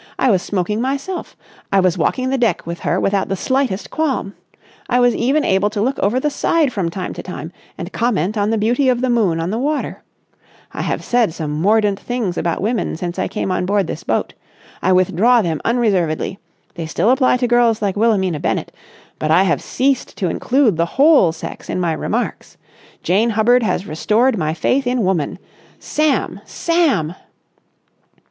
I was smoking myself! I was walking the deck with her without the slightest qualm. I was even able to look over the side from time to time and comment on the beauty of the moon on the water.... I have said some mordant things about women since I came on board this boat. I withdraw them unreservedly. They still apply to girls like Wilhelmina Bennett, but I have ceased to include the whole sex in my remarks. Jane Hubbard has restored my faith in Woman. Sam! Sam!"